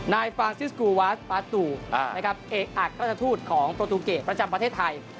นายฟรานซิสกูวาสปาตุเอกอักทรัฐทูตของโปรตูเกตประจำประเทศไทย